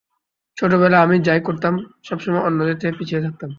ছোটবেলায় আমি যাই করতাম সবসময় অন্যদের থেকে পিছিয়ে থাকতাম।